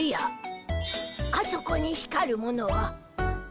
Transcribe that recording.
あそこに光るものは。